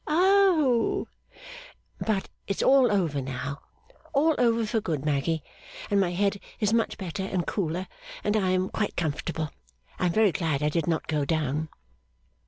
Oh!' 'But it's all over now all over for good, Maggy. And my head is much better and cooler, and I am quite comfortable. I am very glad I did not go down.